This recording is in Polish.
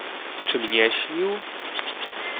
"Czym nie śnił?"